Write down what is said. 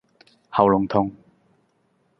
喉嚨痛